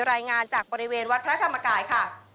รายงานจากบริเวณวัดพระธรรมกายค่ะ